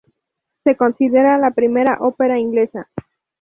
Se considera la primera ópera inglesa.